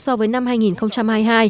so với năm hai nghìn hai mươi hai